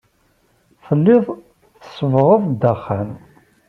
Telliḍ tsebbɣeḍ-d axxam.